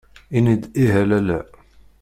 Ini-d ih a lalla.